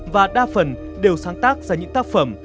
và đa phần đều sáng tác ra những tác phẩm